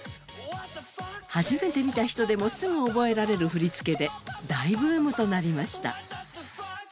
初めて見た人もすぐ覚えられる振り付けで、大ブームとなりました。